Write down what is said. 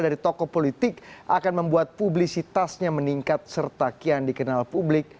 dari tokoh politik akan membuat publisitasnya meningkat serta kian dikenal publik